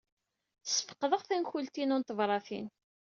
Sfeqdeɣ tankult-inu n tebṛatin.